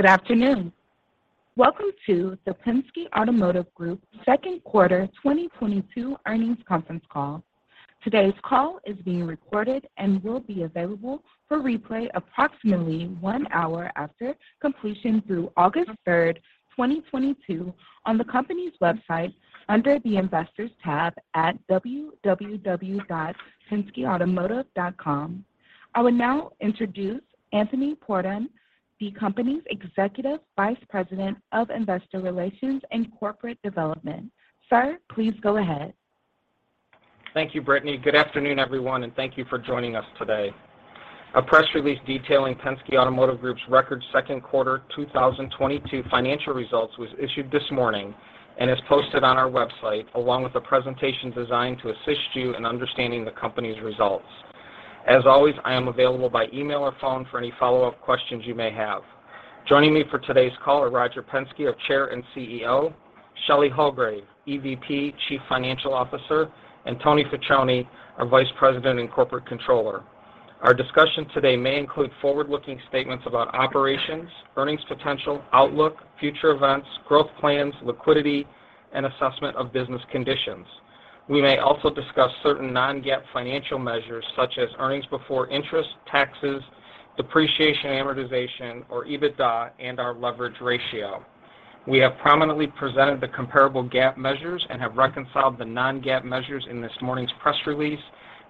Good afternoon. Welcome to the Penske Automotive Group second quarter 2022 earnings conference call. Today's call is being recorded and will be available for replay approximately one hour after completion through August 3rd, 2022 on the company's website under the Investors tab at www.penskeautomotive.com. I will now introduce Anthony Pordon, the company's Executive Vice President of Investor Relations and Corporate Development. Sir, please go ahead. Thank you, Brittany. Good afternoon, everyone, and thank you for joining us today. A press release detailing Penske Automotive Group's record second quarter 2022 financial results was issued this morning and is posted on our website, along with a presentation designed to assist you in understanding the company's results. As always, I am available by email or phone for any follow-up questions you may have. Joining me for today's call are Roger Penske, our Chair and CEO, Shelley Hulgrave, EVP & Chief Financial Officer, and Tony Facione, our Vice President and Corporate Controller. Our discussion today may include forward-looking statements about operations, earnings potential, outlook, future events, growth plans, liquidity, and assessment of business conditions. We may also discuss certain non-GAAP financial measures such as earnings before interest, taxes, depreciation, amortization, or EBITDA, and our leverage ratio. We have prominently presented the comparable GAAP measures and have reconciled the non-GAAP measures in this morning's press release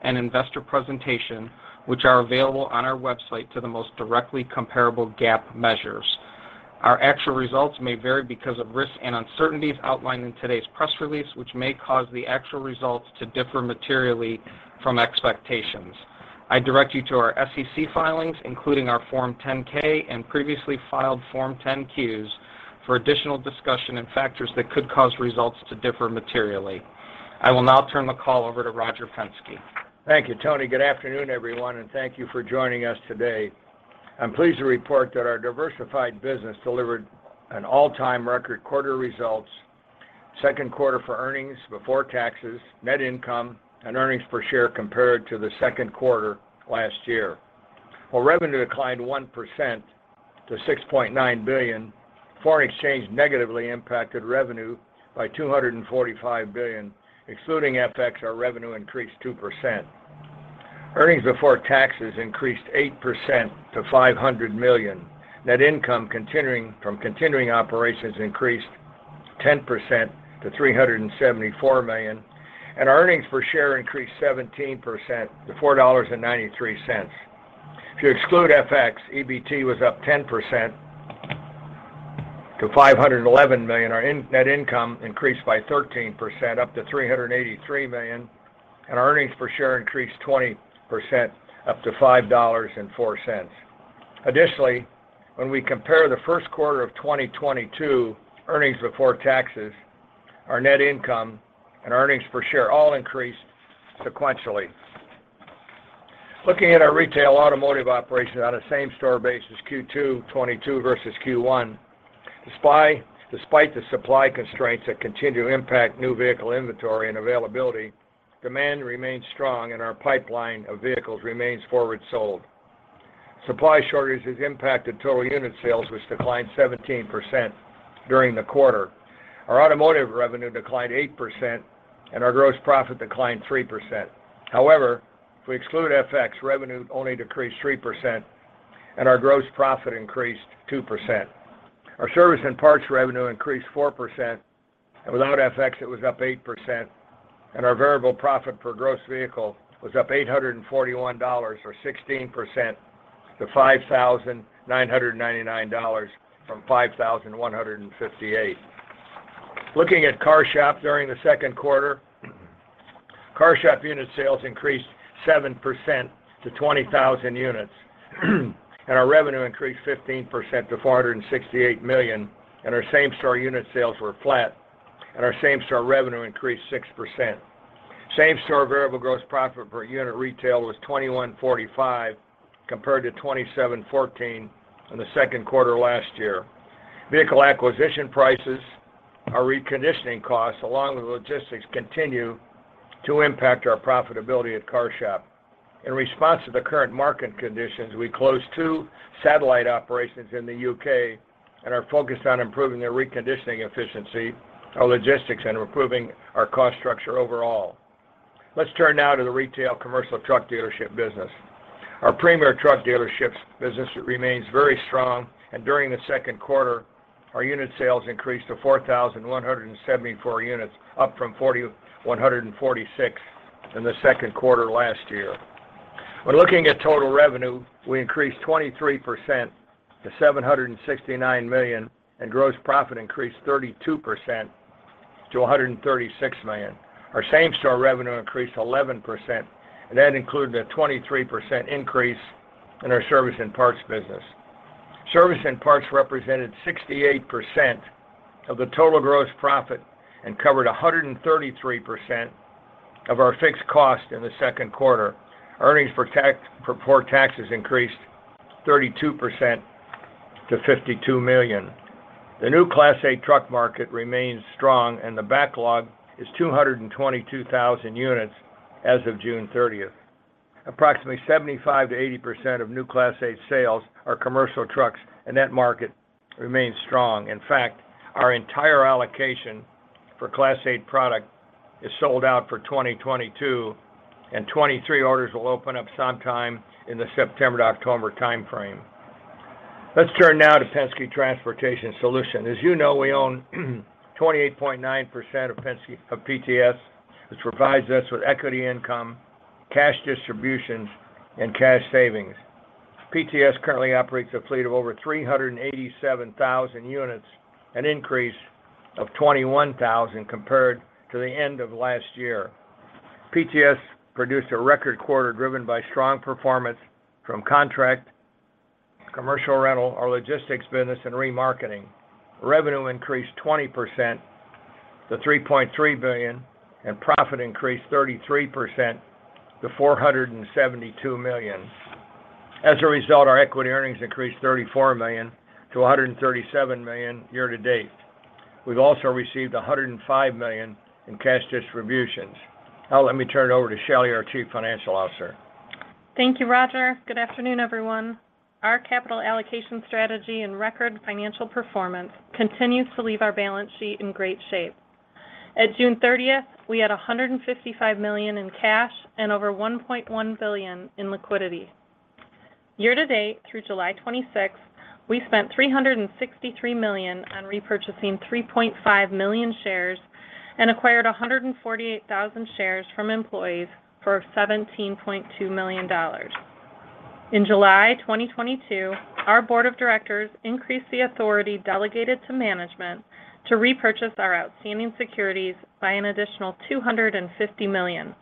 and investor presentation, which are available on our website to the most directly comparable GAAP measures. Our actual results may vary because of risks and uncertainties outlined in today's press release, which may cause the actual results to differ materially from expectations. I direct you to our SEC filings, including our Form 10-K and previously filed Form 10-Q for additional discussion and factors that could cause results to differ materially. I will now turn the call over to Roger Penske. Thank you, Tony. Good afternoon, everyone, and thank you for joining us today. I'm pleased to report that our diversified business delivered an all-time record second quarter results for earnings before taxes, net income, and earnings per share compared to the second quarter last year. While revenue declined 1% to $6.9 billion, foreign exchange negatively impacted revenue by $245 million. Excluding FX, our revenue increased 2%. Earnings before taxes increased 8% to $500 million. Net income from continuing operations increased 10% to $374 million. Earnings per share increased 17% to $4.93. If you exclude FX, EBT was up 10% to $511 million. Our net income increased by 13%, up to $383 million, and our earnings per share increased 20%, up to $5.04. Additionally, when we compare the first quarter of 2022 earnings before taxes, our net income, and earnings per share all increased sequentially. Looking at our retail automotive operations on a same-store basis, Q2 2022 versus Q1, despite the supply constraints that continue to impact new vehicle inventory and availability, demand remains strong and our pipeline of vehicles remains forward sold. Supply shortages impacted total unit sales, which declined 17% during the quarter. Our automotive revenue declined 8% and our gross profit declined 3%. However, if we exclude FX, revenue only decreased 3% and our gross profit increased 2%. Our service and parts revenue increased 4%, and without FX, it was up 8%, and our variable profit per gross vehicle was up $841 or 16% to $5,999 from $5,158. Looking at CarShop during the second quarter, CarShop unit sales increased 7% to 20,000 units, and our revenue increased 15% to $468 million. Our same-store unit sales were flat, and our same-store revenue increased 6%. Same-store variable gross profit per unit retail was $2,145 compared to $2,714 in the second quarter last year. Vehicle acquisition prices, our reconditioning costs, along with logistics, continue to impact our profitability at CarShop. In response to the current market conditions, we closed two satellite operations in the U.K. and are focused on improving their reconditioning efficiency, our logistics, and improving our cost structure overall. Let's turn now to the retail commercial truck dealership business. Our Premier Truck dealerships business remains very strong, and during the second quarter, our unit sales increased to 4,174 units, up from 4,146 in the second quarter last year. When looking at total revenue, we increased 23% to $769 million, and gross profit increased 32% to $136 million. Our same-store revenue increased 11%, and that included a 23% increase in our service and parts business. Service and parts represented 68% of the total gross profit and covered 133% of our fixed cost in the second quarter. Earnings before taxes increased 32% to $52 million. The new Class 8 truck market remains strong and the backlog is 222,000 units as of June 30th. Approximately 75%-80% of new Class 8 sales are commercial trucks, and that market remains strong. In fact, our entire allocation for Class 8 product is sold out for 2022 and 2023 orders will open up sometime in the September to October time frame. Let's turn now to Penske Transportation Solutions. As you know, we own 28.9% of PTS, which provides us with equity income, cash distributions, and cash savings. PTS currently operates a fleet of over 387,000 units, an increase of 21,000 compared to the end of last year. PTS produced a record quarter driven by strong performance from contract, commercial rental, our logistics business, and remarketing. Revenue increased 20% to $3.3 billion, and profit increased 33% to $472 million. As a result, our equity earnings increased $34 million-$137 million year-to-date. We've also received $105 million in cash distributions. Now, let me turn it over to Shelley, our Chief Financial Officer. Thank you, Roger. Good afternoon, everyone. Our capital allocation strategy and record financial performance continues to leave our balance sheet in great shape. At June 30th, we had $155 million in cash and over $1.1 billion in liquidity. Year-to-date, through July 26, we spent $363 million on repurchasing 3.5 million shares and acquired 148,000 shares from employees for $17.2 million. In July 2022, our board of directors increased the authority delegated to management to repurchase our outstanding securities by an additional $250 million,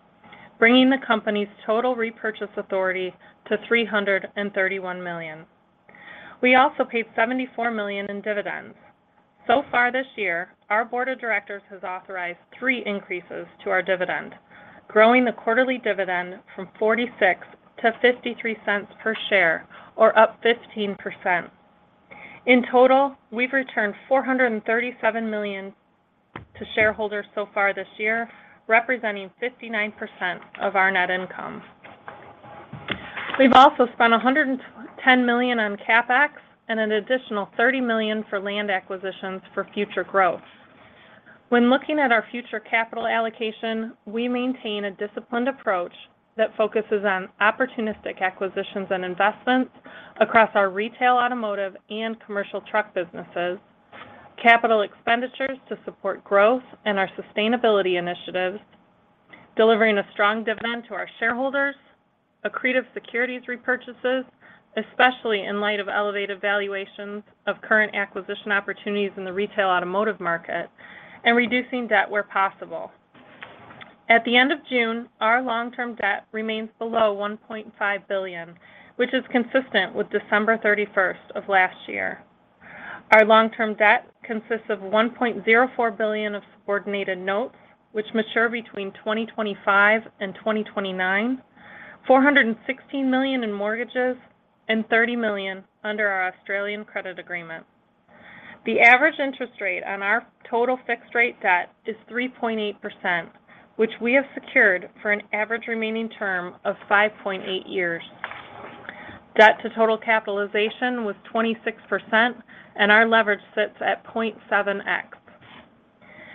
bringing the company's total repurchase authority to $331 million. We also paid $74 million in dividends. So far this year, our board of directors has authorized three increases to our dividend, growing the quarterly dividend from $0.46-$0.53 per share or up 15%. In total, we've returned $437 million to shareholders so far this year, representing 59% of our net income. We've also spent $110 million on CapEx and an additional $30 million for land acquisitions for future growth. When looking at our future capital allocation, we maintain a disciplined approach that focuses on opportunistic acquisitions and investments across our retail, automotive, and commercial truck businesses, capital expenditures to support growth and our sustainability initiatives, delivering a strong dividend to our shareholders, accretive securities repurchases, especially in light of elevated valuations of current acquisition opportunities in the retail automotive market, and reducing debt where possible. At the end of June, our long-term debt remains below $1.5 billion, which is consistent with December 31st of last year. Our long-term debt consists of $1.04 billion of coordinated notes, which mature between 2025 and 2029, $416 million in mortgages, and 30 million under our Australian credit agreement. The average interest rate on our total fixed rate debt is 3.8%, which we have secured for an average remaining term of 5.8 years. Debt to total capitalization was 26%, and our leverage sits at 0.7x.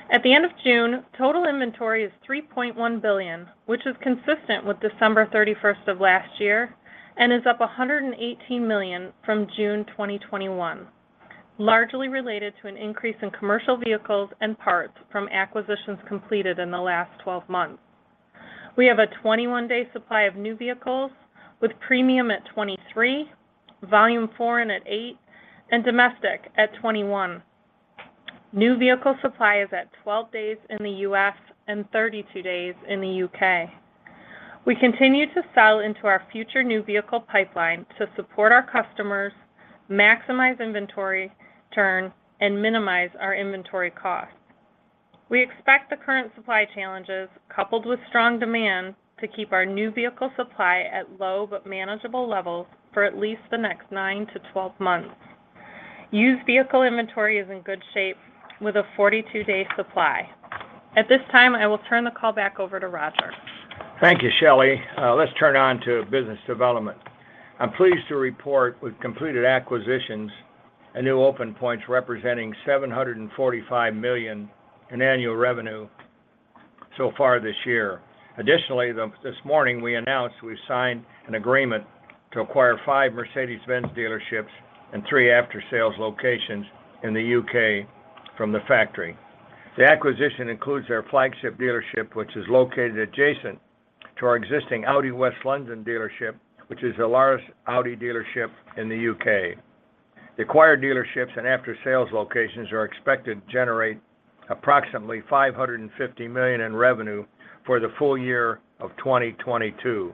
At the end of June, total inventory is $3.1 billion, which is consistent with December 31st of last year and is up $118 million from June 2021, largely related to an increase in commercial vehicles and parts from acquisitions completed in the last 12 months. We have a 21-day supply of new vehicles with premium at 23, volume foreign at eight, and domestic at 21. New vehicle supply is at 12 days in the U.S. and 32 days in the U.K. We continue to sell into our future new vehicle pipeline to support our customers, maximize inventory turn, and minimize our inventory costs. We expect the current supply challenges, coupled with strong demand, to keep our new vehicle supply at low but manageable levels for at least the next nine-12 months. Used vehicle inventory is in good shape with a 42-day supply. At this time, I will turn the call back over to Roger. Thank you, Shelley. Let's turn to business development. I'm pleased to report we've completed acquisitions at new open points representing $745 million in annual revenue so far this year. Additionally, this morning, we announced we signed an agreement to acquire five Mercedes-Benz dealerships and three after-sales locations in the U.K. from the factory. The acquisition includes their flagship dealership, which is located adjacent to our existing Audi West London dealership, which is the largest Audi dealership in the U.K. The acquired dealerships and after-sales locations are expected to generate approximately $550 million in revenue for the full year of 2022.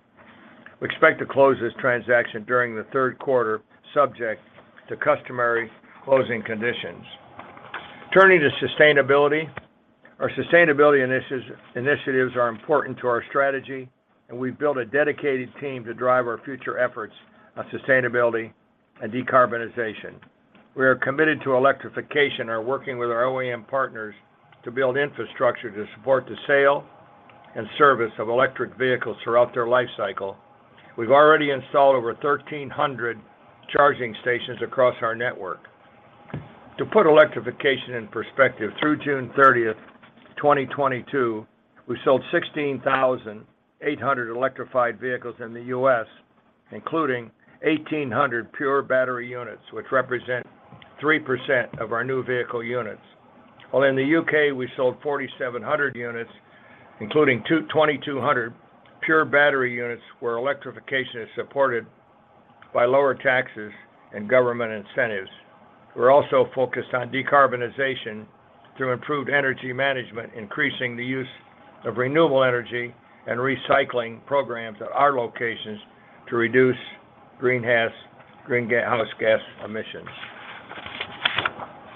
We expect to close this transaction during the third quarter, subject to customary closing conditions. Turning to sustainability. Our sustainability initiatives are important to our strategy, and we've built a dedicated team to drive our future efforts on sustainability and decarbonization. We are committed to electrification, are working with our OEM partners to build infrastructure to support the sale and service of electric vehicles throughout their life cycle. We've already installed over 1,300 charging stations across our network. To put electrification in perspective, through June 30th, 2022, we sold 16,800 electrified vehicles in the U.S., including 1,800 pure battery units, which represent 3% of our new vehicle units. While in the U.K., we sold 4,700 units, including 2,200 pure battery units where electrification is supported by lower taxes and government incentives. We're also focused on decarbonization through improved energy management, increasing the use of renewable energy and recycling programs at our locations to reduce greenhouse gas emissions.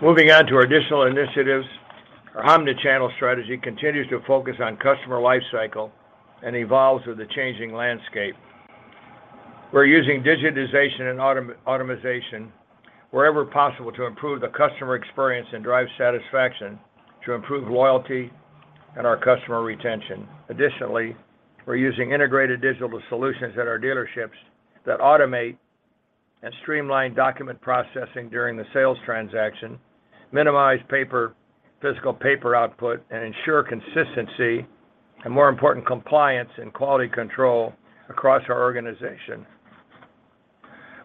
Moving on to our additional initiatives. Our omnichannel strategy continues to focus on customer life cycle and evolves with the changing landscape. We're using digitization and automation wherever possible to improve the customer experience and drive satisfaction to improve loyalty and our customer retention. Additionally, we're using integrated digital solutions at our dealerships that automate and streamline document processing during the sales transaction, minimize physical paper output, and ensure consistency, and more important, compliance and quality control across our organization.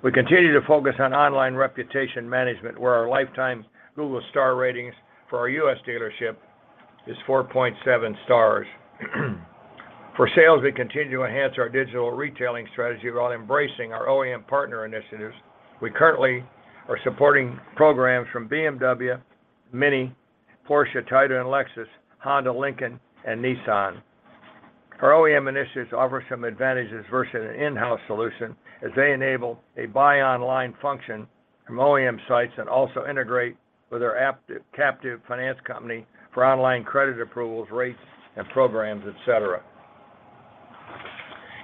We continue to focus on online reputation management, where our lifetime Google star ratings for our U.S. dealership is 4.7 stars. For sales, we continue to enhance our digital retailing strategy while embracing our OEM partner initiatives. We currently are supporting programs from BMW, MINI, Porsche, Toyota, and Lexus, Honda, Lincoln, and Nissan. Our OEM initiatives offer some advantages versus an in-house solution as they enable a buy online function from OEM sites and also integrate with our captive finance company for online credit approvals, rates, and programs, et cetera.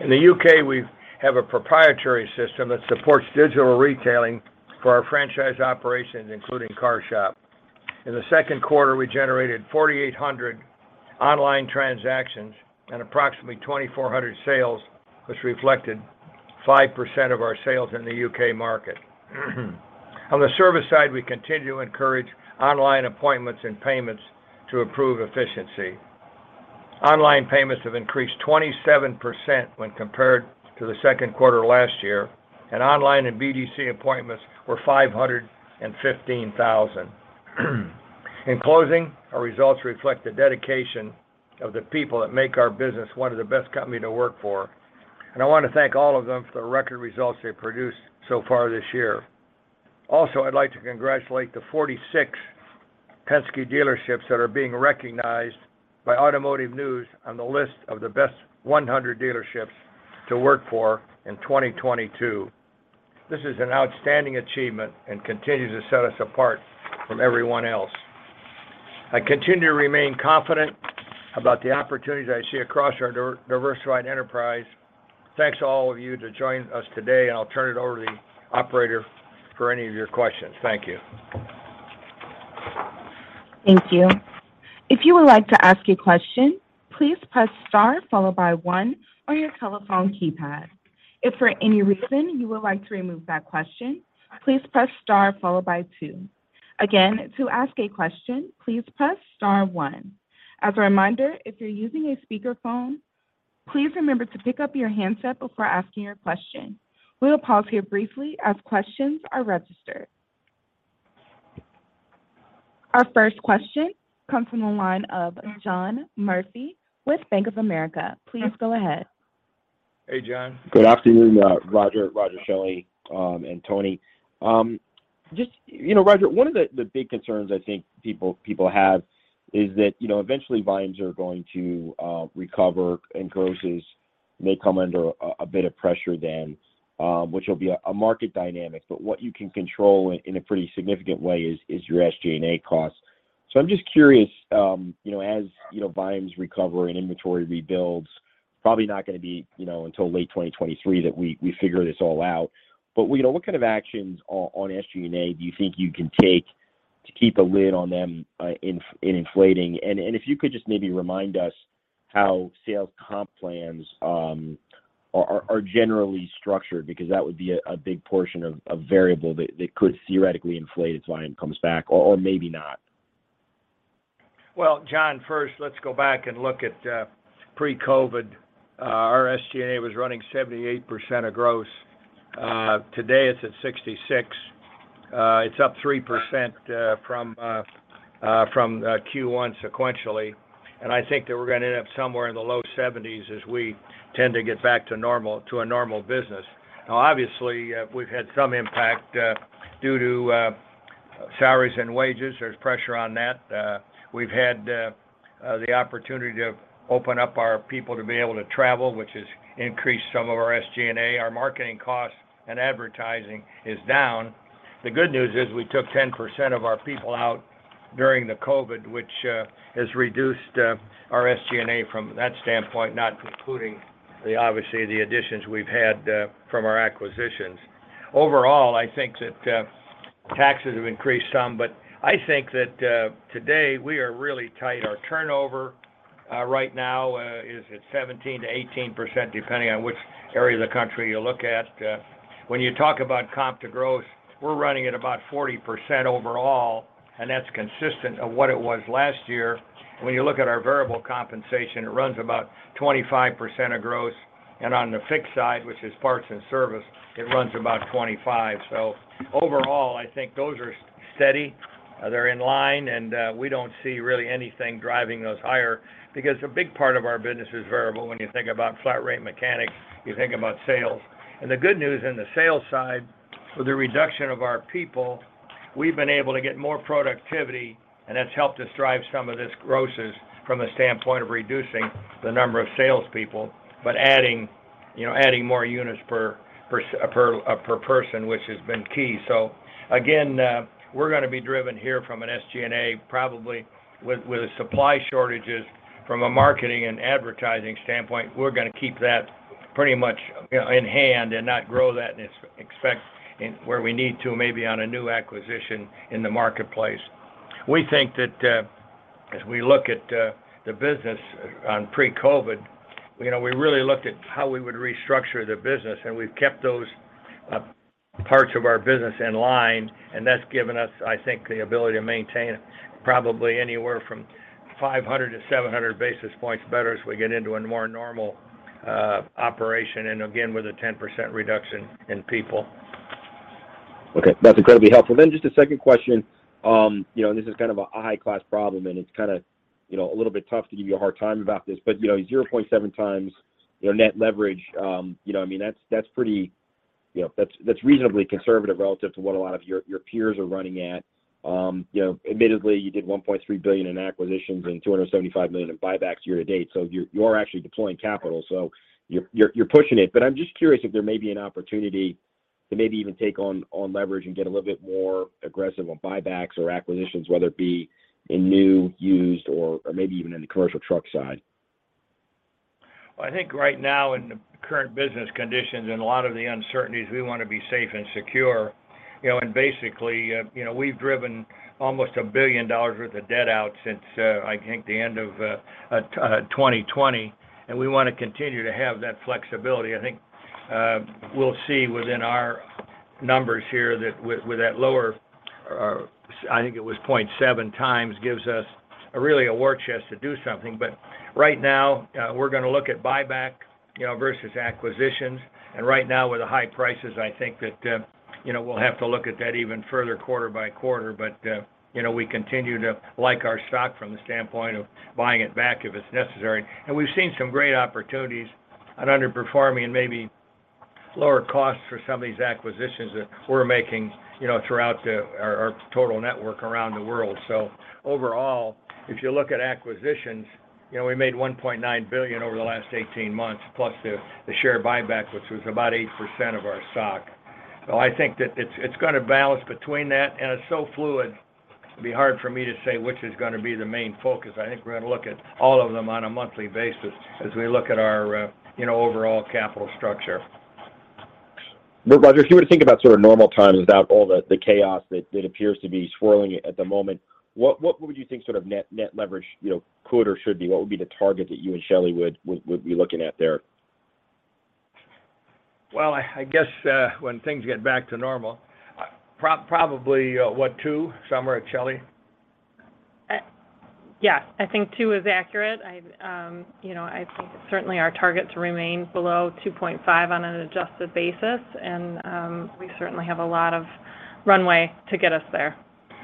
In the U.K., we have a proprietary system that supports digital retailing for our franchise operations, including CarShop. In the second quarter, we generated 4,800 online transactions and approximately 2,400 sales, which reflected 5% of our sales in the U.K. market. On the service side, we continue to encourage online appointments and payments to improve efficiency. Online payments have increased 27% when compared to the second quarter last year, and online and BDC appointments were 515,000. In closing, our results reflect the dedication of the people that make our business one of the best company to work for, and I want to thank all of them for the record results they produced so far this year. Also, I'd like to congratulate the 46 Penske dealerships that are being recognized by Automotive News on the list of the best 100 dealerships to work for in 2022. This is an outstanding achievement and continues to set us apart from everyone else. I continue to remain confident about the opportunities I see across our diversified enterprise. Thanks to all of you to join us today, and I'll turn it over to the operator for any of your questions. Thank you. Thank you. If you would like to ask a question, please press star followed by one on your telephone keypad. If for any reason you would like to remove that question, please press star followed by two. Again, to ask a question, please press star one. As a reminder, if you're using a speakerphone, please remember to pick up your handset before asking your question. We will pause here briefly as questions are registered. Our first question comes from the line of John Murphy with Bank of America. Please go ahead. Hey, John. Good afternoon, Roger, Shelley, and Tony. Just you know, Roger, one of the big concerns I think people have is that, you know, eventually volumes are going to recover and grosses may come under a bit of pressure then, which will be a market dynamic. What you can control in a pretty significant way is your SG&A costs. I'm just curious, you know, as you know, volumes recover and inventory rebuilds, probably not gonna be, you know, until late 2023 that we figure this all out. You know, what kind of actions on SG&A do you think you can take to keep a lid on them in inflating? If you could just maybe remind us how sales comp plans are generally structured, because that would be a big portion of a variable that could theoretically inflate as volume comes back or maybe not. Well, John, first, let's go back and look at pre-COVID. Our SG&A was running 78% of gross. Today it's at 66%. It's up 3% from Q1 sequentially. I think that we're gonna end up somewhere in the low 70s as we tend to get back to normal to a normal business. Now, obviously, we've had some impact due to salaries and wages. There's pressure on that. We've had the opportunity to open up our people to be able to travel, which has increased some of our SG&A. Our marketing costs and advertising is down. The good news is we took 10% of our people out during the COVID, which has reduced our SG&A from that standpoint, not including, obviously, the additions we've had from our acquisitions. Overall, I think that taxes have increased some, but I think that today we are really tight. Our turnover right now is at 17%-18%, depending on which area of the country you look at. When you talk about comp to growth, we're running at about 40% overall, and that's consistent of what it was last year. When you look at our variable compensation, it runs about 25% of growth. On the fixed side, which is parts and service, it runs about 25%. Overall, I think those are steady, they're in line, and we don't see really anything driving those higher because a big part of our business is variable. When you think about flat rate mechanics, you think about sales. The good news in the sales side, with the reduction of our people, we've been able to get more productivity, and that's helped us drive some of this grosses from the standpoint of reducing the number of sales people, but adding, you know, adding more units per person, which has been key. We're gonna be driven here from an SG&A, probably with the supply shortages from a marketing and advertising standpoint. We're gonna keep that pretty much, you know, in hand and not grow that and expect where we need to maybe on a new acquisition in the marketplace. We think that, as we look at the business on pre-COVID, you know, we really looked at how we would restructure the business, and we've kept those parts of our business in line, and that's given us, I think, the ability to maintain it probably anywhere from 500-700 basis points better as we get into a more normal operation, and again, with a 10% reduction in people. Okay. That's incredibly helpful. Just a second question. You know, and this is kind of a high class problem, and it's kinda, you know, a little bit tough to give you a hard time about this. You know, 0.7x, you know, net leverage, you know, I mean, that's pretty. You know, that's reasonably conservative relative to what a lot of your peers are running at. You know, admittedly, you did $1.3 billion in acquisitions and $275 million in buybacks year to date. You are actually deploying capital, you're pushing it. I'm just curious if there may be an opportunity to maybe even take on leverage and get a little bit more aggressive on buybacks or acquisitions, whether it be in new, used, or maybe even in the commercial truck side. I think right now in the current business conditions and a lot of the uncertainties, we wanna be safe and secure. You know, and basically, you know, we've driven almost $1 billion worth of debt out since, I think the end of 2020, and we wanna continue to have that flexibility. I think, we'll see within our numbers here that with that lower, I think it was 0.7x, gives us a really a war chest to do something. Right now, we're gonna look at buyback, you know, versus acquisitions. Right now with the high prices, I think that, you know, we'll have to look at that even further quarter by quarter. You know, we continue to like our stock from the standpoint of buying it back if it's necessary. We've seen some great opportunities on underperforming and maybe lower costs for some of these acquisitions that we're making, you know, throughout our total network around the world. Overall, if you look at acquisitions, you know, we made $1.9 billion over the last 18 months, plus the share buyback, which was about 8% of our stock. I think that it's gonna balance between that, and it's so fluid, it'd be hard for me to say which is gonna be the main focus. I think we're gonna look at all of them on a monthly basis as we look at our overall capital structure. Look, Roger, if you were to think about sort of normal times without all the chaos that appears to be swirling at the moment, what would you think sort of net leverage, you know, could or should be? What would be the target that you and Shelley would be looking at there? Well, I guess when things get back to normal, probably what? Two? Some are at Shelley. Yes. I think two is accurate. I've, you know, I think certainly our target to remain below 2.5 on an adjusted basis. We certainly have a lot of runway to get us there.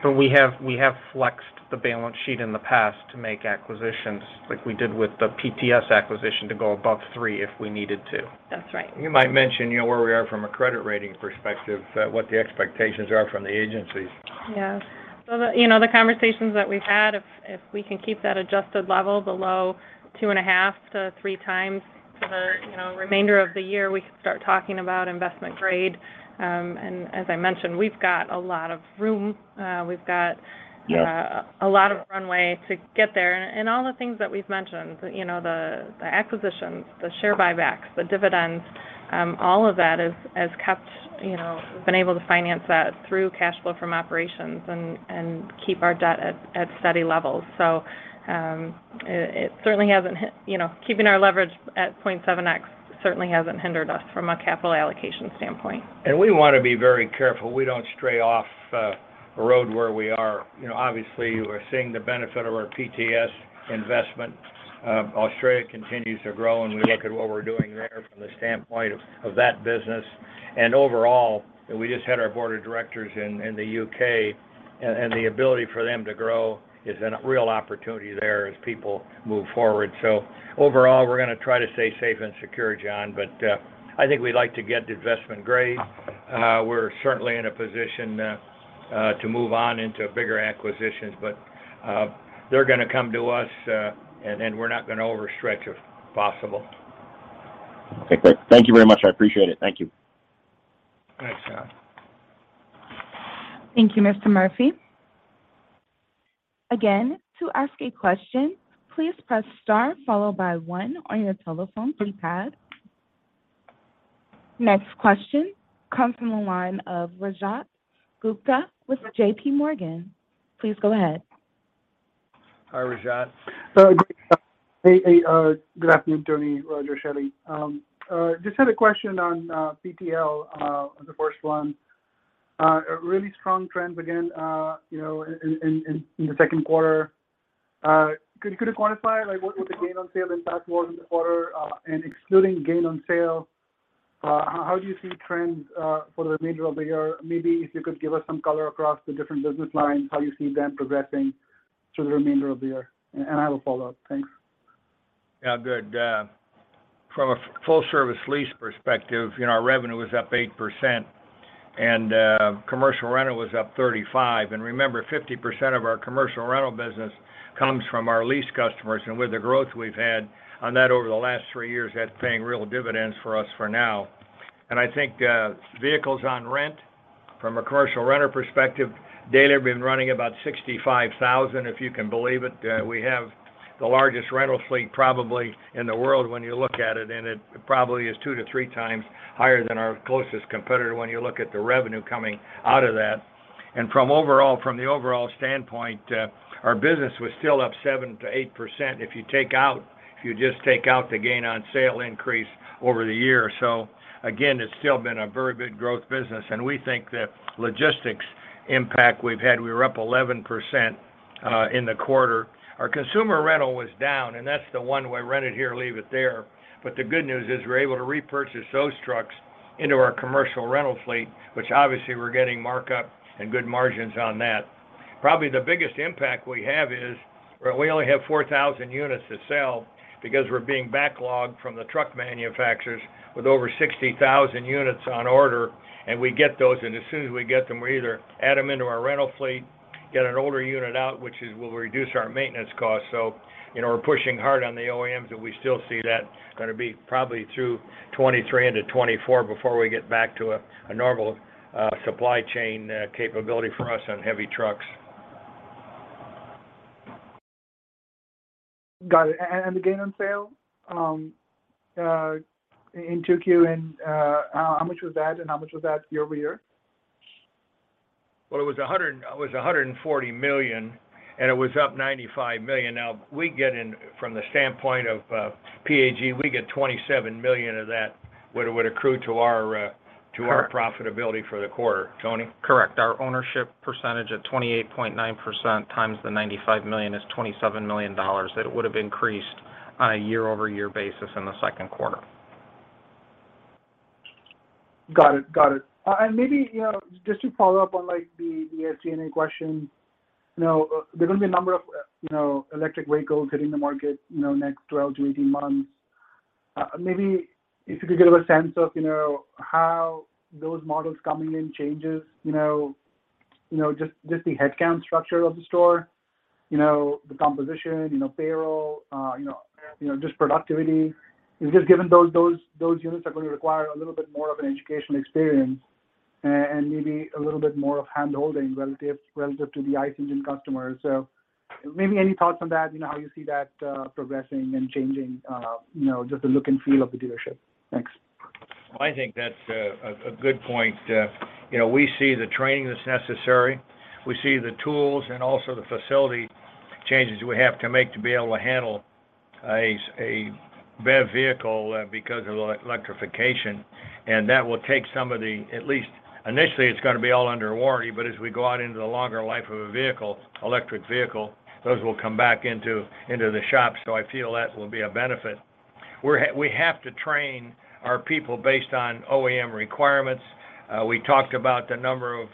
We have flexed the balance sheet in the past to make acquisitions like we did with the PTS acquisition to go above three if we needed to. That's right. You might mention, you know, where we are from a credit rating perspective, what the expectations are from the agencies. Yeah. You know, the conversations that we've had, if we can keep that adjusted level below 2.5-3x for, you know, remainder of the year, we can start talking about investment grade. As I mentioned, we've got a lot of room. We got a lot of runway to get there. All the things that we've mentioned, you know, the acquisitions, the share buybacks, the dividends, all of that has kept, you know, been able to finance that through cash flow from operations and keep our debt at steady levels. It certainly hasn't, you know, keeping our leverage at 0.7x, certainly hasn't hindered us from a capital allocation standpoint. We wanna be very careful we don't stray off a road where we are. You know, obviously we're seeing the benefit of our PTS investment. Australia continues to grow, and we look at what we're doing there from the standpoint of that business. Overall, we just had our board of directors in the U.K., and the ability for them to grow is a real opportunity there as people move forward. Overall, we're gonna try to stay safe and secure, John. I think we'd like to get the investment grade. We're certainly in a position to move on into bigger acquisitions. They're gonna come to us, and then we're not gonna overstretch if possible. Okay, great. Thank you very much. I appreciate it. Thank you. Thanks, John. Thank you, Mr. Murphy. Again, to ask a question, please press star followed by one on your telephone keypad. Next question comes from the line of Rajat Gupta with JPMorgan. Please go ahead. Hi, Rajat. Great. Hey, good afternoon, Tony, Roger, Shelley. Just had a question on PTS, the first one. A really strong trend again, you know, in the second quarter. Could you quantify like what was the gain on sale impact was in the quarter, and excluding gain on sale, how do you see trends for the remainder of the year? Maybe if you could give us some color across the different business lines, how you see them progressing through the remainder of the year, and I will follow up. Thanks. Yeah. Good. From a full service lease perspective, you know, our revenue was up 8%, and commercial rental was up 35%. Remember, 50% of our commercial rental business comes from our lease customers. With the growth we've had on that over the last three years, that's paying real dividends for us for now. I think vehicles on rent from a commercial renter perspective, daily have been running about 65,000, if you can believe it. We have the largest rental fleet probably in the world when you look at it, and it probably is 2-3x higher than our closest competitor when you look at the revenue coming out of that. From the overall standpoint, our business was still up 7%-8% if you just take out the gain on sale increase over the year. Again, it's still been a very good growth business, and we think the logistics impact we've had, we were up 11% in the quarter. Our consumer rental was down, and that's the one-way rent it here, leave it there. But the good news is we're able to repurchase those trucks into our commercial rental fleet, which obviously we're getting markup and good margins on that. Probably the biggest impact we have is we only have 4,000 units to sell because we're being backlogged from the truck manufacturers with over 60,000 units on order. We get those, and as soon as we get them, we either add them into our rental fleet, get an older unit out, which will reduce our maintenance costs. You know, we're pushing hard on the OEMs, but we still see that gonna be probably through 2023 into 2024 before we get back to a normal supply chain capability for us on heavy trucks. Got it. The gain on sale in 2Q, how much was that and how much was that year-over-year? Well, it was $140 million, and it was up $95 million. From the standpoint of PAG, we get $27 million of that, would accrue to our profitability for the quarter. Tony? Correct. Our ownership percentage of 28.9% times the $95 million is $27 million that it would have increased on a year-over-year basis in the second quarter. Got it. Maybe you know, just to follow up on like the SG&A question, you know, there are gonna be a number of you know, electric vehicles hitting the market, you know, next 12-18 months. Maybe if you could give a sense of, you know, how those models coming in changes you know, just the headcount structure of the store, you know, the composition, you know, payroll you know, just productivity. Just given those units are gonna require a little bit more of an education experience and maybe a little bit more of handholding relative to the ICE engine customer. Maybe any thoughts on that, you know, how you see that progressing and changing you know, just the look and feel of the dealership? Thanks. Well, I think that's a good point. You know, we see the training that's necessary. We see the tools and also the facility changes we have to make to be able to handle a BEV vehicle because of the electrification. At least initially it's gonna be all under a warranty, but as we go out into the longer life of a vehicle, electric vehicle, those will come back into the shop. I feel that will be a benefit. We have to train our people based on OEM requirements. We talked about the number of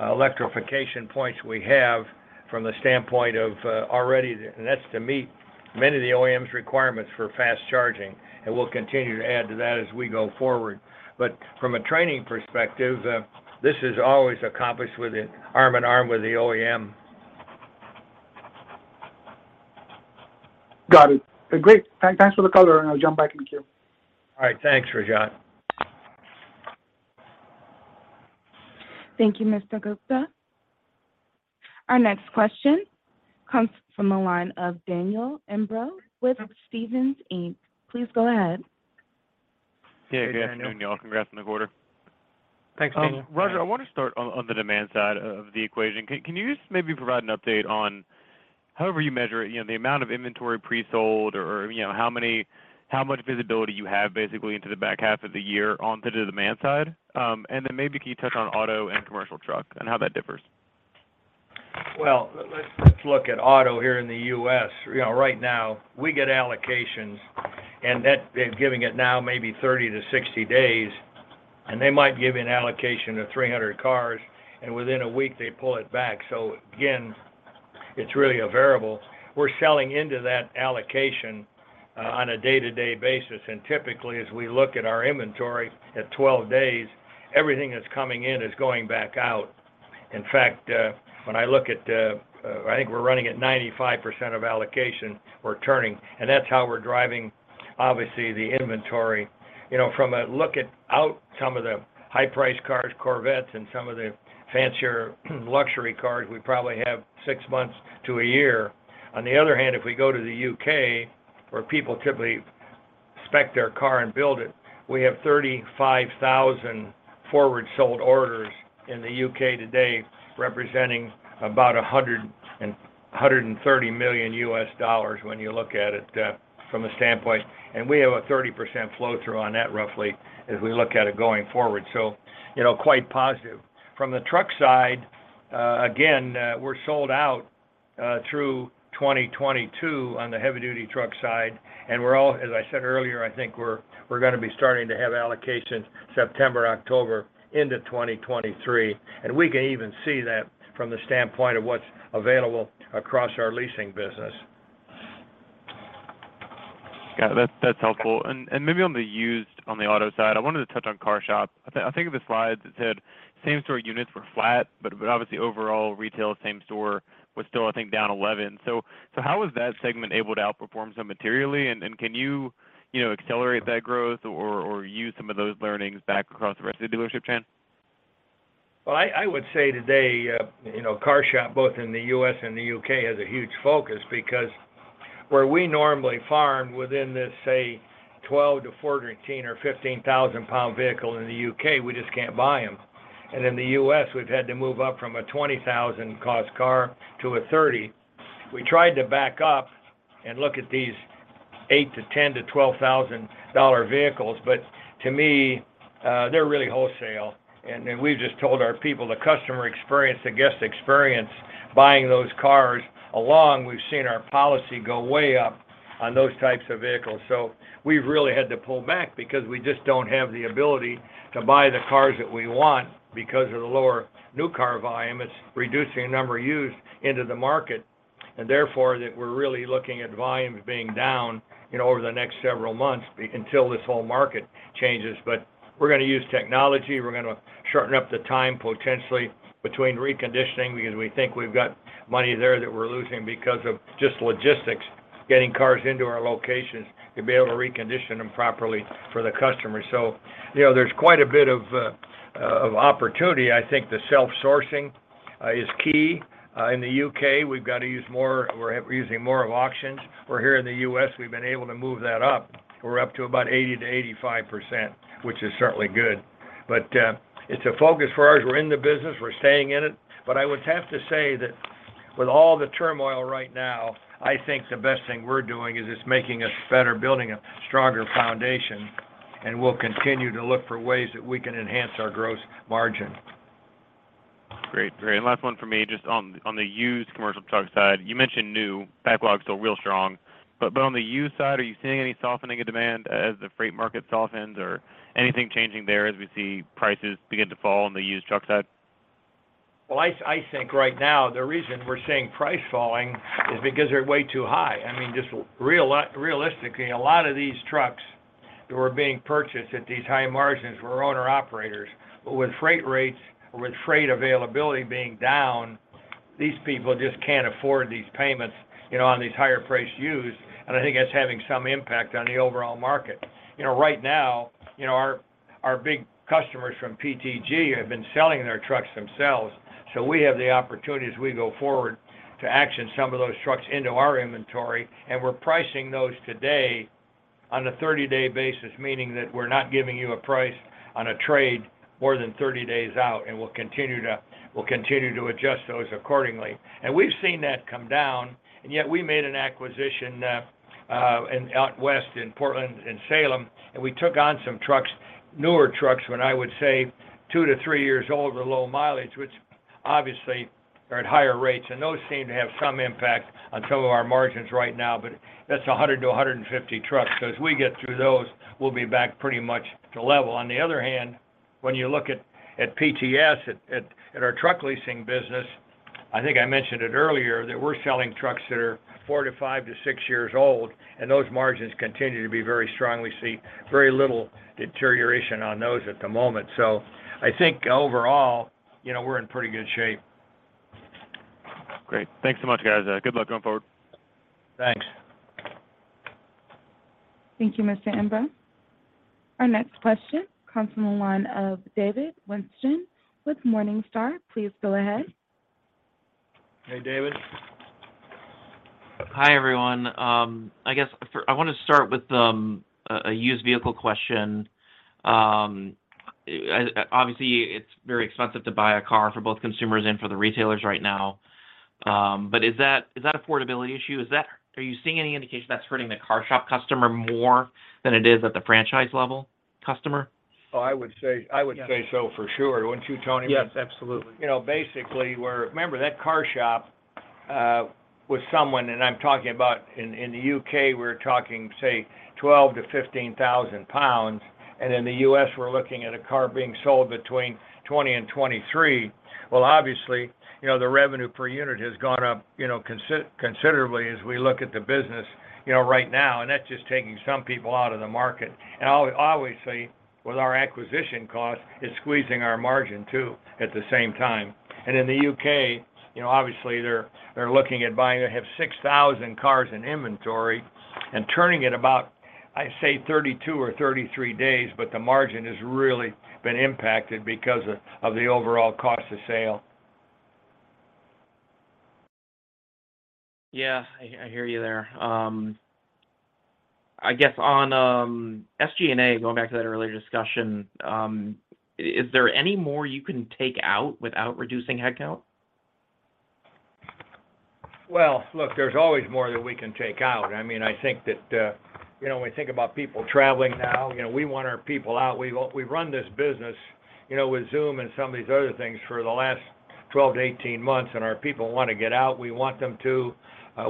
electrification points we have from the standpoint of already, and that's to meet many of the OEM's requirements for fast charging. We'll continue to add to that as we go forward. From a training perspective, this is always accomplished arm in arm with the OEM. Got it. Great. Thanks for the color, and I'll jump back in queue. All right. Thanks, Rajat. Thank you, Mr. Gupta. Our next question comes from the line of Daniel Imbro with Stephens, Inc. Please go ahead. Hey, good afternoon, y'all. Hey, Daniel. Congrats on the quarter. Thanks, Daniel. Yeah. Roger, I wanna start on the demand side of the equation. Can you just maybe provide an update on however you measure it, you know, the amount of inventory pre-sold or, you know, how much visibility you have basically into the back half of the year on the demand side? Maybe can you touch on auto and commercial truck and how that differs? Well, let's look at auto here in the U.S. You know, right now we get allocations, and they're giving it now maybe 30-60 days, and they might give you an allocation of 300 cars, and within a week they pull it back. Again, it's really a variable. We're selling into that allocation on a day-to-day basis. Typically, as we look at our inventory at 12 days, everything that's coming in is going back out. In fact, when I look at, I think we're running at 95% of allocation we're turning, and that's how we're driving obviously the inventory, you know, from a look at some of the high price cars, Corvette, and some of the fancier luxury cars, we probably have six months to a year. On the other hand, if we go to the U.K., where people typically spec their car and build it, we have 35,000 forward sold orders in the U.K. today representing about $130 million when you look at it from a standpoint. We have a 30% flow-through on that roughly as we look at it going forward. You know, quite positive. From the truck side, again, we're sold out through 2022 on the heavy-duty truck side, and we're, as I said earlier, I think we're gonna be starting to have allocations September, October into 2023. We can even see that from the standpoint of what's available across our leasing business. Yeah. That's helpful. Maybe on the used on the auto side, I wanted to touch on CarShop. I think the slide that said same-store units were flat, but obviously overall retail same-store was still, I think, down 11%. How is that segment able to outperform somewhat materially? Can you know, accelerate that growth or use some of those learnings back across the rest of the dealership chain? Well, I would say today, you know, CarShop both in the U.S. and the U.K. has a huge focus because where we normally buy within this, say, 12,000-14,000 or 15,000-pound vehicle in the U.K., we just can't buy them. In the U.S., we've had to move up from a $20,000-cost car to a $30,000. We tried to back up and look at these $8,000 to $10,000 to $12,000 dollar vehicles, but to me, they're really wholesale. We've just told our people the customer experience, the guest experience buying those cars along, we've seen our CSI go way up on those types of vehicles. We've really had to pull back because we just don't have the ability to buy the cars that we want because of the lower new car volume. It's reducing the number of used into the market, and therefore that we're really looking at volumes being down, you know, over the next several months until this whole market changes. We're gonna use technology. We're gonna shorten up the time potentially between reconditioning because we think we've got money there that we're losing because of just logistics, getting cars into our locations to be able to recondition them properly for the customer. You know, there's quite a bit of opportunity. I think the self-sourcing is key. In the U.K., we're using more of auctions. Where here in the U.S., we've been able to move that up. We're up to about 80%-85%, which is certainly good. It's a focus for us. We're in the business. We're staying in it. I would have to say that with all the turmoil right now, I think the best thing we're doing is it's making us better, building a stronger foundation, and we'll continue to look for ways that we can enhance our gross margin. Great. Last one for me, just on the used commercial truck side. You mentioned new backlog still real strong. But on the used side, are you seeing any softening of demand as the freight market softens or anything changing there as we see prices begin to fall on the used truck side? I think right now the reason we're seeing prices falling is because they're way too high. I mean, just realistically, a lot of these trucks that were being purchased at these high margins were owner-operators. With freight rates or with freight availability being down, these people just can't afford these payments, you know, on these higher-priced used, and I think that's having some impact on the overall market. You know, right now, you know, our big customers from PTG have been selling their trucks themselves. We have the opportunity as we go forward to auction some of those trucks into our inventory, and we're pricing those today on a 30-day basis, meaning that we're not giving you a price on a trade more than 30 days out, and we'll continue to adjust those accordingly. We've seen that come down, and yet we made an acquisition, in out west in Portland and Salem, and we took on some trucks, newer trucks, when I would say two to three years old with low mileage, which obviously are at higher rates. Those seem to have some impact on some of our margins right now, but that's 100-150 trucks. As we get through those, we'll be back pretty much to level. On the other hand, when you look at PTS, at our truck leasing business, I think I mentioned it earlier that we're selling trucks that are four to five to six years old, and those margins continue to be very strong. We see very little deterioration on those at the moment. I think overall, you know, we're in pretty good shape. Great. Thanks so much, guys. Good luck going forward. Thanks. Thank you, Mr. Imbro. Our next question comes from the line of David Whiston with Morningstar. Please go ahead. Hey, David. Hi, everyone. I want to start with a used vehicle question. Obviously, it's very expensive to buy a car for both consumers and for the retailers right now. Is that affordability issue? Are you seeing any indication that's hurting the CarShop customer more than it is at the franchise level customer? Oh, I would say so for sure, wouldn't you, Tony? Yes, absolutely. You know, basically, where remember that CarShop with someone, and I'm talking about in the U.K., we're talking, say, 12,000-15,000 pounds, and in the U.S., we're looking at a car being sold between $20,000-$23,000. Well, obviously, you know, the revenue per unit has gone up, you know, considerably as we look at the business, you know, right now, and that's just taking some people out of the market. Obviously, with our acquisition cost, it's squeezing our margin too at the same time. In the U.K., you know, obviously, they're looking at buying. They have 6,000 cars in inventory and turning at about, I'd say 32 or 33 days, but the margin has really been impacted because of the overall cost of sale. Yeah, I hear you there. I guess on SG&A, going back to that earlier discussion, is there any more you can take out without reducing headcount? Well, look, there's always more that we can take out. I mean, I think that, you know, when we think about people traveling now, you know, we want our people out. We've run this business, you know, with Zoom and some of these other things for the last 12-18 months, and our people want to get out. We want them to.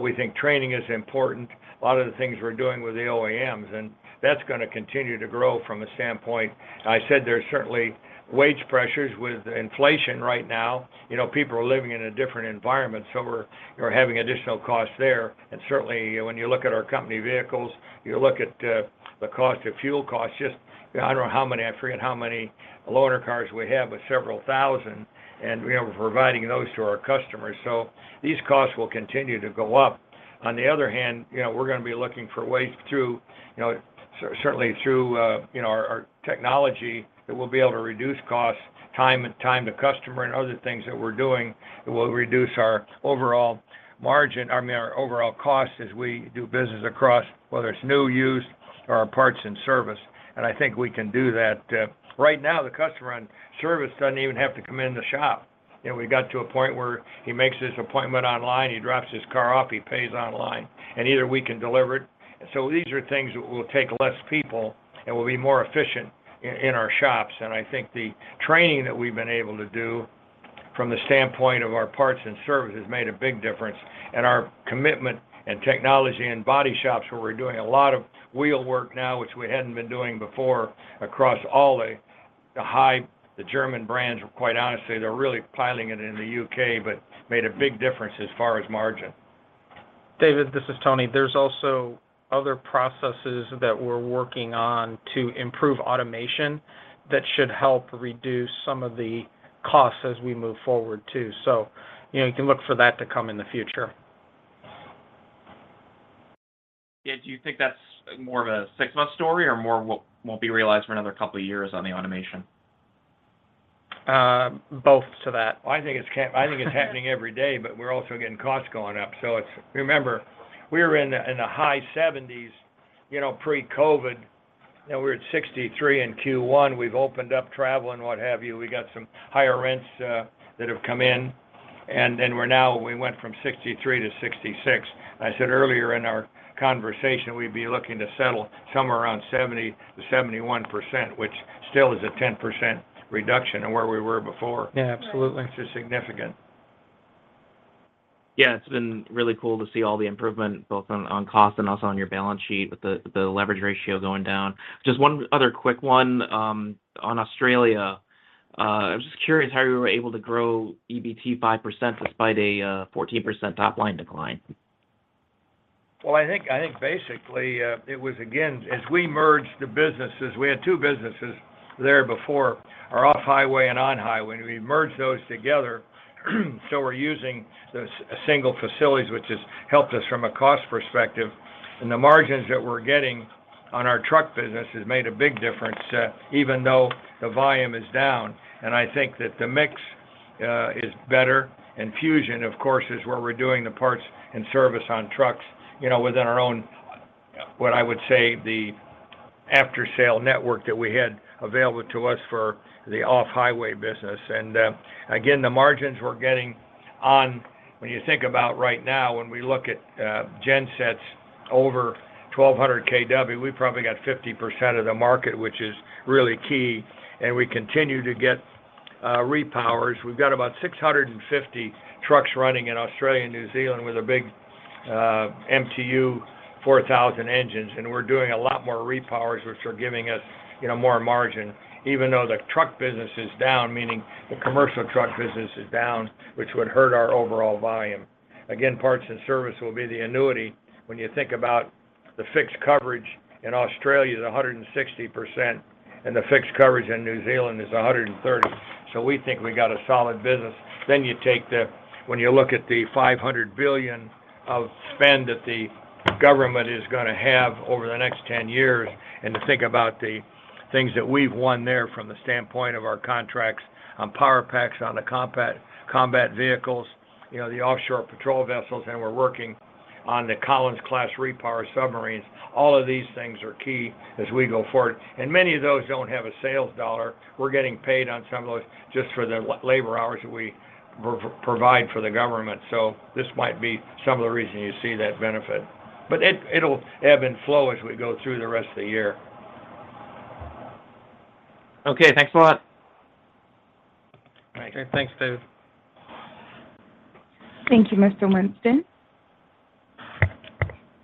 We think training is important. A lot of the things we're doing with the OEMs, and that's gonna continue to grow from a standpoint. I said there's certainly wage pressures with inflation right now. You know, people are living in a different environment, so we're having additional costs there. Certainly when you look at our company vehicles, you look at the cost of fuel costs, just, you know, I don't know how many, I forget how many loaner cars we have, but several thousand, and, you know, we're providing those to our customers. These costs will continue to go up. On the other hand, you know, we're gonna be looking for ways through, you know, certainly through, you know, our technology that we'll be able to reduce costs, time and time to customer and other things that we're doing that will reduce our overall margin, I mean, our overall cost as we do business across whether it's new, used, or our parts and service. I think we can do that. Right now, the customer on service doesn't even have to come in the shop. You know, we got to a point where he makes his appointment online, he drops his car off, he pays online, and either we can deliver it. These are things that will take less people and will be more efficient in our shops. I think the training that we've been able to do from the standpoint of our parts and service has made a big difference. Our commitment and technology and body shops where we're doing a lot of wheel work now, which we hadn't been doing before across all the German brands were, quite honestly, they're really piling it in the U.K., but made a big difference as far as margin. David, this is Tony. There's also other processes that we're working on to improve automation that should help reduce some of the costs as we move forward, too. You know, you can look for that to come in the future. Yeah. Do you think that's more of a six-month story or more won't be realized for another couple of years on the automation? Both to that. Well, I think it's happening every day, but we're also getting costs going up. Remember, we were in the high 70s, you know, pre-COVID. You know, we're at 63% in Q1. We've opened up travel and what have you. We got some higher rents that have come in. Then we're now, we went from 63%-66%. I said earlier in our conversation we'd be looking to settle somewhere around 70%-71%, which still is a 10% reduction in where we were before. Yeah, absolutely. Which is significant. Yeah. It's been really cool to see all the improvement both on cost and also on your balance sheet with the leverage ratio going down. Just one other quick one, on Australia. I'm just curious how you were able to grow EBT 5% despite a 14% top line decline. I think basically, it was again, as we merged the businesses, we had two businesses there before, our off-highway and on-highway. We merged those together, so we're using the single facilities, which has helped us from a cost perspective. The margins that we're getting on our truck business has made a big difference, even though the volume is down. I think that the mix is better. Fusion, of course, is where we're doing the parts and service on trucks, you know, within our own, what I would say, the after-sale network that we had available to us for the off-highway business. Again, the margins we're getting on. When you think about right now, when we look at gensets over 1,200 kW, we've probably got 50% of the market, which is really key, and we continue to get repowers. We've got about 650 trucks running in Australia and New Zealand with our big MTU 4,000 engines, and we're doing a lot more repowers, which are giving us, you know, more margin, even though the truck business is down, meaning the commercial truck business is down, which would hurt our overall volume. Again, parts and service will be the annuity. When you think about the fixed coverage in Australia is 160%, and the fixed coverage in New Zealand is 130%. So we think we got a solid business. When you look at the $500 billion of spend that the government is gonna have over the next 10 years, and to think about the things that we've won there from the standpoint of our contracts on power packs, on the combat vehicles, you know, the offshore patrol vessels, and we're working on the Collins-class repower submarines. All of these things are key as we go forward. Many of those don't have a sales dollar. We're getting paid on some of those just for the labor hours that we provide for the government. This might be some of the reason you see that benefit. It'll ebb and flow as we go through the rest of the year. Okay. Thanks a lot. All right. Great. Thanks, David. Thank you, Mr. Whiston.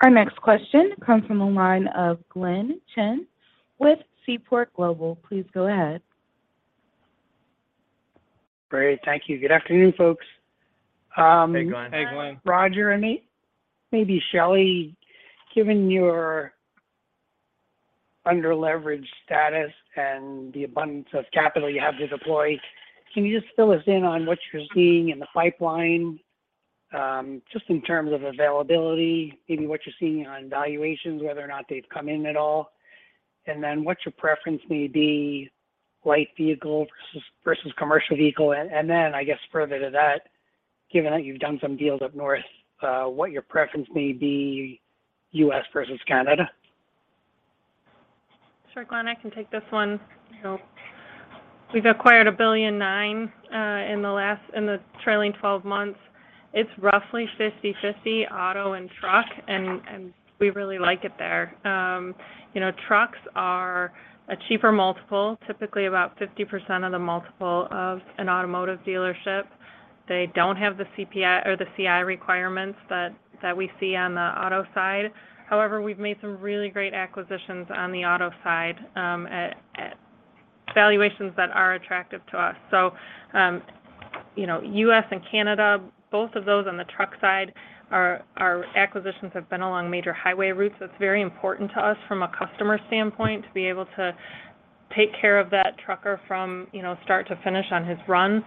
Our next question comes from the line of Glenn Chin with Seaport Global. Please go ahead. Great. Thank you. Good afternoon, folks. Hey, Glenn. Hey, Glenn. Roger and maybe Shelley, given your under-leveraged status and the abundance of capital you have to deploy, can you just fill us in on what you're seeing in the pipeline? Just in terms of availability, maybe what you're seeing on valuations, whether or not they've come in at all. What your preference may be, light vehicle versus commercial vehicle. I guess further to that, given that you've done some deals up north, what your preference may be U.S. versus Canada. Sure, Glenn, I can take this one. You know, we've acquired $1.9 billion in the trailing twelve months. It's roughly 50/50 auto and truck, and we really like it there. You know, trucks are a cheaper multiple, typically about 50% of the multiple of an automotive dealership. They don't have the CPI or CI requirements that we see on the auto side. However, we've made some really great acquisitions on the auto side, at valuations that are attractive to us. You know, U.S. and Canada, both of those on the truck side are acquisitions have been along major highway routes. That's very important to us from a customer standpoint, to be able to take care of that trucker from start to finish on his run.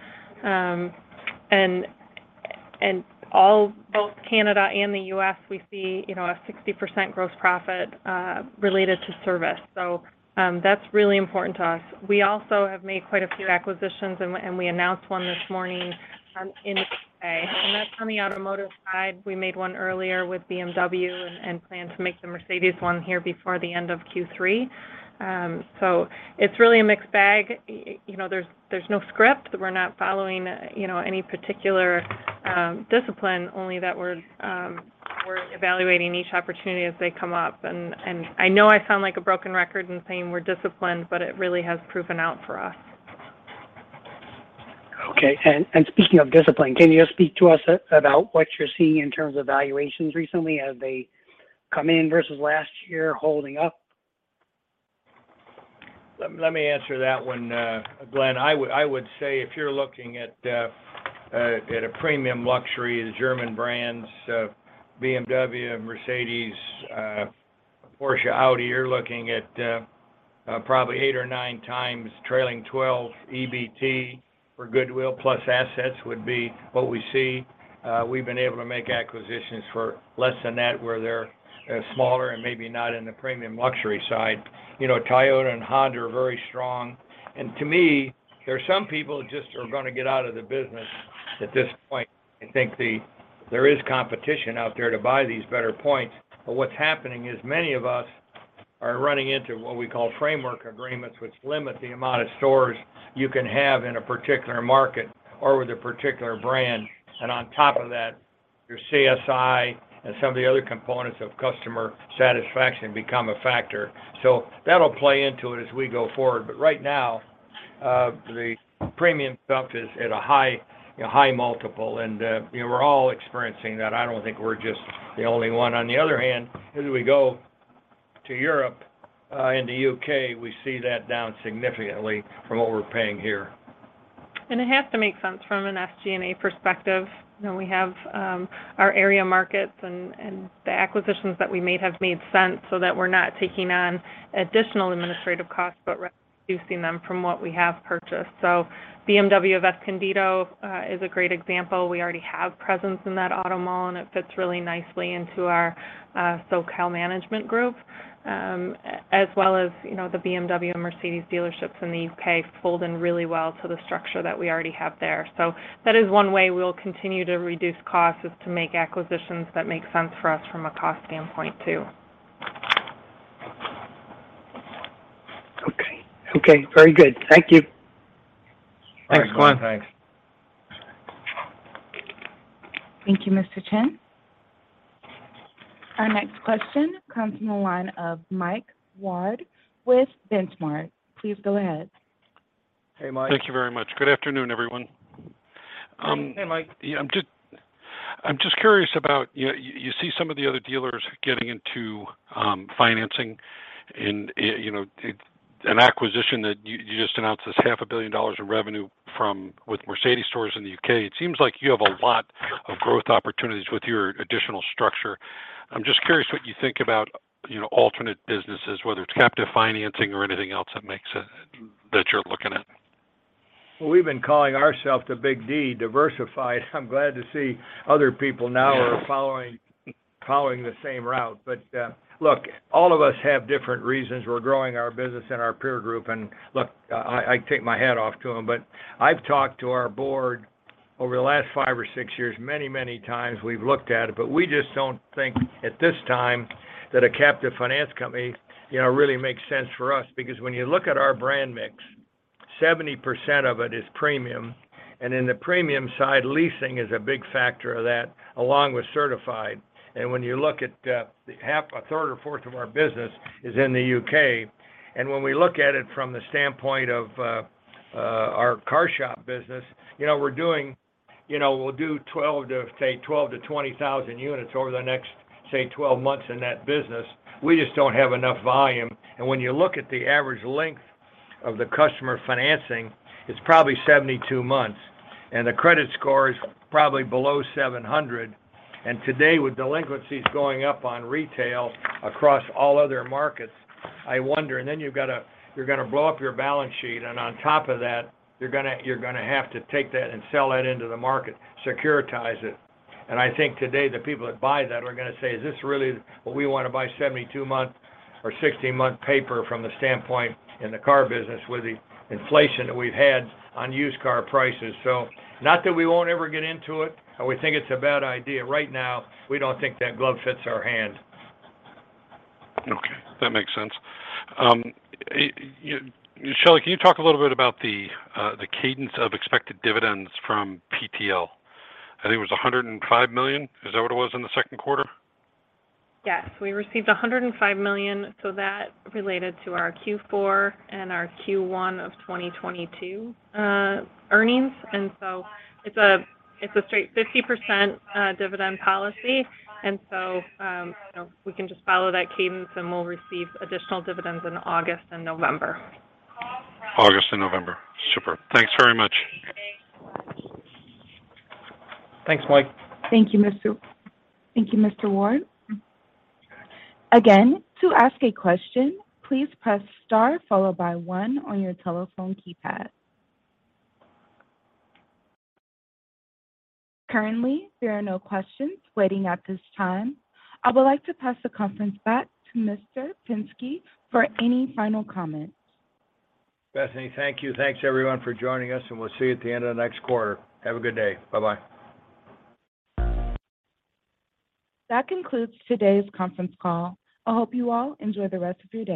both Canada and the U.S., we see, you know, a 60% gross profit related to service. That's really important to us. We also have made quite a few acquisitions and we announced one this morning in the U.K. That's on the automotive side. We made one earlier with BMW and plan to make the Mercedes one here before the end of Q3. It's really a mixed bag. You know, there's no script. We're not following, you know, any particular discipline, only that we're evaluating each opportunity as they come up. I know I sound like a broken record in saying we're disciplined, but it really has proven out for us. Okay. Speaking of discipline, can you speak to us about what you're seeing in terms of valuations recently? Have they come in versus last year holding up? Let me answer that one, Glenn. I would say if you're looking at a premium luxury, the German brands, BMW, Mercedes, Porsche, Audi, you're looking at probably eight or nine times trailing twelve EBT for goodwill, plus assets would be what we see. We've been able to make acquisitions for less than that, where they're smaller and maybe not in the premium luxury side. You know, Toyota and Honda are very strong. To me, there are some people who just are gonna get out of the business at this point. I think there is competition out there to buy these better points. What's happening is many of us are running into what we call framework agreements, which limit the amount of stores you can have in a particular market or with a particular brand. On top of that, your CSI and some of the other components of customer satisfaction become a factor. That'll play into it as we go forward. Right now, the premium stuff is at a high, you know, high multiple. You know, we're all experiencing that. I don't think we're just the only one. On the other hand, as we go to Europe, and the U.K., we see that down significantly from what we're paying here. It has to make sense from an SG&A perspective. You know, we have our area markets and the acquisitions that we made have made sense so that we're not taking on additional administrative costs, but reducing them from what we have purchased. BMW of Escondido is a great example. We already have presence in that auto mall, and it fits really nicely into our SoCal management group. As well as, you know, the BMW and Mercedes dealerships in the U.K. fold in really well to the structure that we already have there. That is one way we'll continue to reduce costs, is to make acquisitions that make sense for us from a cost standpoint too. Okay. Okay, very good. Thank you. Thanks, Glenn. Thanks. Thank you, Mr. Chin. Our next question comes from the line of Mike Ward with Benchmark. Please go ahead. Hey, Mike. Thank you very much. Good afternoon, everyone. Hey, Mike. Yeah, I'm just curious about you see some of the other dealers getting into financing and, you know, an acquisition that you just announced this half a billion dollars in revenue from with Mercedes-Benz stores in the U.K. It seems like you have a lot of growth opportunities with your additional structure. I'm just curious what you think about, you know, alternate businesses, whether it's captive financing or anything else that you're looking at. Well, we've been calling ourselves the big D, diversified. I'm glad to see other people now are following the same route. Look, all of us have different reasons we're growing our business and our peer group. I take my hat off to them, but I've talked to our board over the last five or six years. Many times we've looked at it, but we just don't think at this time that a captive finance company, you know, really makes sense for us. Because when you look at our brand mix, 70% of it is premium. In the premium side, leasing is a big factor of that, along with certified. When you look at half, a third or fourth of our business is in the U.K.. When we look at it from the standpoint of our CarShop business, you know, we'll do 12,000-20,000 units over the next, say, 12 months in that business. We just don't have enough volume. When you look at the average length of the customer financing, it's probably 72 months, and the credit score is probably below 700. Today, with delinquencies going up on retail across all other markets, I wonder. You're gonna blow up your balance sheet, and on top of that, you're gonna have to take that and sell that into the market, securitize it. I think today, the people that buy that are gonna say, "Is this really what we want to buy 72-month or 60-month paper from the standpoint in the car business with the inflation that we've had on used car prices?" Not that we won't ever get into it, or we think it's a bad idea. Right now, we don't think that glove fits our hand. Okay, that makes sense. Shelley, can you talk a little bit about the cadence of expected dividends from PTL? I think it was $105 million. Is that what it was in the second quarter? Yes. We received $105 million, so that related to our Q4 and our Q1 of 2022 earnings. It's a straight 50% dividend policy. You know, we can just follow that cadence, and we'll receive additional dividends in August and November. August and November. Super. Thanks very much. Thanks, Mike. Thank you, Mr. Ward. Again, to ask a question, please press star followed by one on your telephone keypad. Currently, there are no questions waiting at this time. I would like to pass the conference back to Mr. Penske for any final comments. Brittany, thank you. Thanks, everyone, for joining us, and we'll see you at the end of the next quarter. Have a good day. Bye-bye. That concludes today's conference call. I hope you all enjoy the rest of your day.